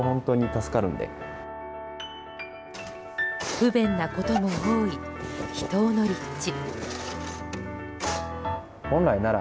不便なことも多い秘湯の立地。